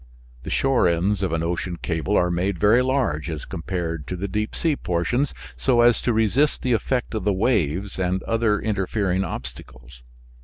The shore ends of an ocean cable are made very large, as compared to the deep sea portions, so as to resist the effect of the waves and other interfering obstacles.